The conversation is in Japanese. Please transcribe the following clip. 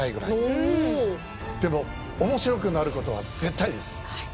おもしろくなることは絶対です。